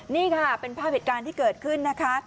นี่ค่ะเป็นภาพเหตุการณ์ที่เกิดขึ้นนะคะ